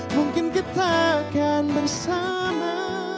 mungkin kita kan bersama